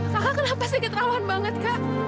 kakak kenapa sedikit rauhan banget kak